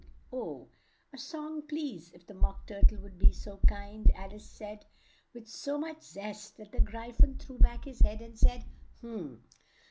"Oh, a song please, if the Mock Tur tle would be so kind," Al ice said with so much zest that the Gry phon threw back his head and said, "Hm!